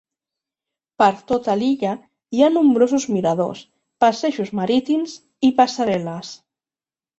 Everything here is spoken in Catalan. Per tota l'illa hi ha nombrosos miradors, passejos marítims i passarel·les.